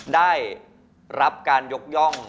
ได้รับการยกย่อง